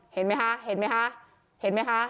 เห็นมั้ยคะเห็นมั้ยคะเห็นมั้ยคะ